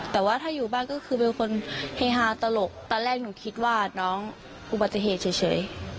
แต่ว่าถ้าอยู่บ้านก็คือเป็นคนเฮฮาตลกตอนแรกหนูคิดว่าน้องอุบัติเหตุเฉย